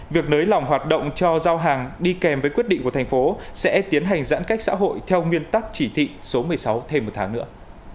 việc nới lỏng hoạt động cho giao hàng đi kèm với quyết định của thành phố sẽ tiến hành giãn cách xã hội theo nguyên tắc chỉ thị số một mươi sáu thêm một tháng nữa